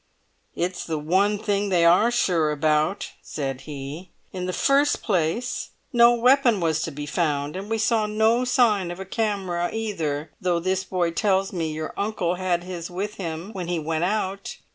"It's the one thing they are sure about," said he. "In the first place no weapon was to be found, and we saw no sign of a camera either, though this boy tells me your uncle had his with him when he went out.